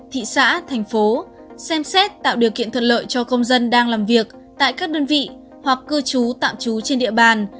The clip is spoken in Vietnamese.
thị xã thành phố xem xét tạo điều kiện thuận lợi cho công dân đang làm việc tại các đơn vị hoặc cư trú tạm trú trên địa bàn